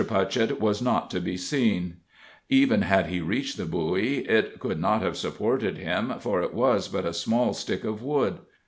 Putchett was not to be seen even had he reached the buoy it could not have supported him, for it was but a small stick of wood.